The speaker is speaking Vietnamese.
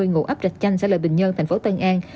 ngụ ấp rạch chanh xã lợi bình nhân tp tân an